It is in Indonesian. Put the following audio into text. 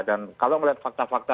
dan kalau melihat fakta fakta